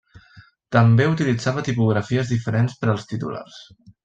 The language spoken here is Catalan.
També utilitzava tipografies diferents per als titulars.